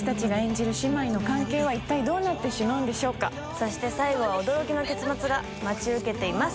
そして最後は驚きの結末が待ち受けています。